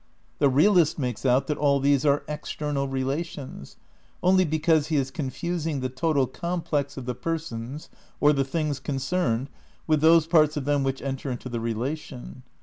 The realist makes out that all these are external relations, only because he is confusing the total com plex of the persons or the things concerned with those parts of them which enter into the relation.